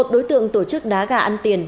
một mươi một đối tượng tổ chức đá gà ăn tiền